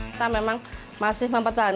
kita memang masih mempetalikan